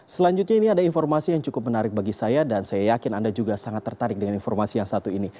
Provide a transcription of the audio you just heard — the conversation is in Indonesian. selanjutnya ini ada informasi yang cukup menarik bagi saya dan saya yakin anda juga sangat tertarik dengan informasi yang satu ini